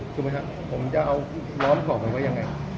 ถูกมั้ยครับผมจะเอาร้อมเข่าไปไว้ยังไง